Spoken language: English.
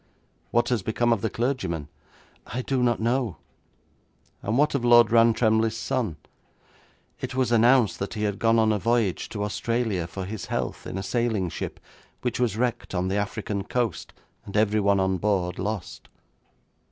'What has become of the clergyman?' 'I do not know.' 'And what of Lord Rantremly's son?' 'It was announced that he had gone on a voyage to Australia for his health in a sailing ship, which was wrecked on the African coast, and everyone on board lost.'